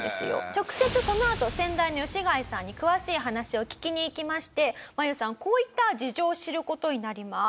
直接そのあと先代の吉開さんに詳しい話を聞きに行きましてマユさんこういった事情を知る事になります。